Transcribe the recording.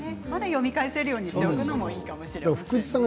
読み返しておけるようにしておくのもいいかもしれません。